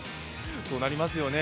そうなりますよね。